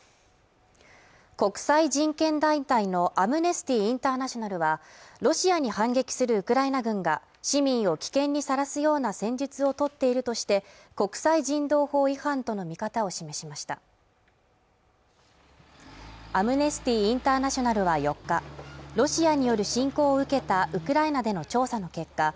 国際人権団体のアムネスティ・インターナショナルはロシアに反撃するウクライナ軍が市民を危険にさらすような戦術を取っているとして国際人道法違反との見方を示しましたアムネスティ・インターナショナルは４日ロシアによる侵攻を受けたウクライナでの調査の結果